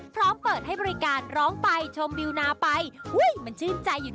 เขาเกาะเองแล้วเลาะเองเลย